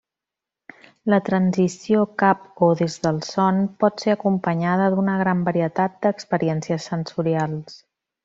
La transició cap o des del son pot ser acompanyada d'una gran varietat d'experiències sensorials.